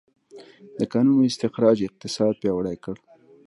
د کانونو استخراج اقتصاد پیاوړی کړ.